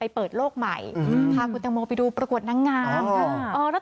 เวเนเวเน